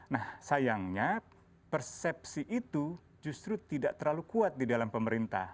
nah sayangnya persepsi itu justru tidak terlalu kuat di dalam pemerintah